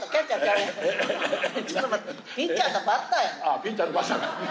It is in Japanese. あっピッチャーとバッターか。